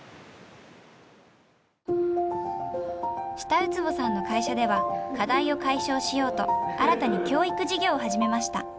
下苧坪さんの会社では課題を解消しようと新たに教育事業を始めました。